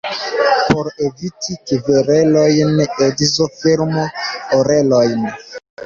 Por eviti kverelojn, edzo fermu orelojn.